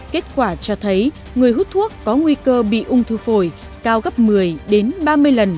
kết quả cho thấy người hút thuốc có nguy cơ bị ung thư phổi cao gấp một mươi đến ba mươi lần